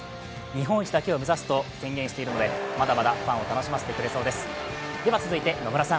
日本一だけを目指すと宣言しているので、まだまだファンを楽しませてくれそうです。